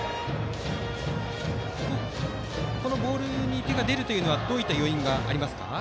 このボールに手が出るのはどういった要因がありますか。